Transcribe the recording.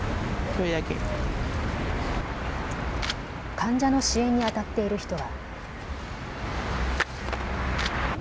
患者の支援にあたっている人は。